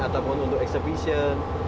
ataupun untuk exhibition